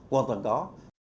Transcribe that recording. hoàn toàn có